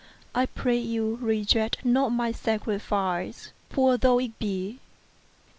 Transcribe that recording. I pray you reject not my sacrifice, poor though it be."